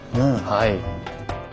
はい。